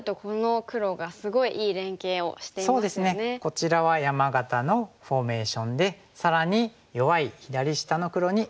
こちらは山型のフォーメーションで更に弱い左下の黒に援軍を送っています。